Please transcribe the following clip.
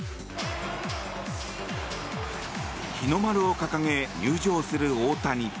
日の丸を掲げ入場する大谷。